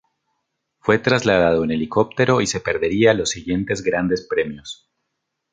Fue trasladado en helicóptero y se perdería los siguientes Grandes Premios.